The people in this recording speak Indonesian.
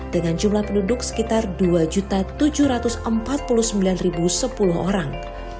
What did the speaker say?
dengan jumlah penduduk sekitar dua tujuh ratus empat puluh sembilan sepuluh orang